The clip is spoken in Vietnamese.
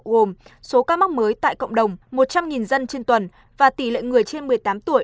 gồm số ca mắc mới tại cộng đồng một trăm linh dân trên tuần và tỷ lệ người trên một mươi tám tuổi